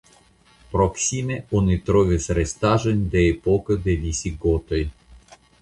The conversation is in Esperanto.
Proksime oni trovis restaĵojn de epoko de visigotoj.